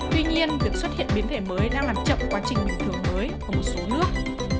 tuy nhiên việc xuất hiện biến thể mới đang làm chậm quá trình bình thường mới ở một số nước